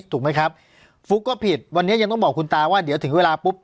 ถูกไหมครับฟุ๊กก็ผิดวันนี้ยังต้องบอกคุณตาว่าเดี๋ยวถึงเวลาปุ๊บ